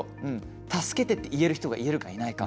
助けてって言える人がいるか、いないか。